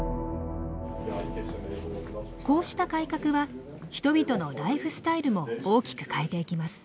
こうした改革は人々のライフスタイルも大きく変えていきます。